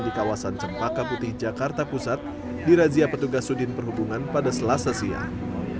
di kawasan cempaka putih jakarta pusat dirazia petugas sudin perhubungan pada selasa siang